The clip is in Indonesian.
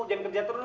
jangan kerja terus